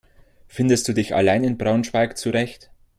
Findest du dich allein in Braunschweig zurecht?